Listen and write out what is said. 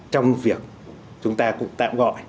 trong việc chúng ta cũng tạm gọi